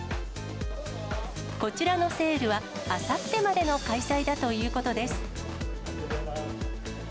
こちらのセールは、あさってまでの開催だということです。